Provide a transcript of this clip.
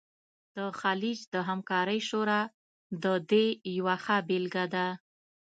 د خلیج د همکارۍ شورا د دې یوه ښه بیلګه ده